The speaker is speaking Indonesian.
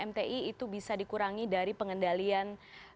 mti itu bisa dikurangi dari pengendalian